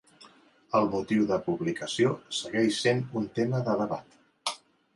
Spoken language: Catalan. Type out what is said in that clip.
El motiu de publicació segueix sent un tema de debat.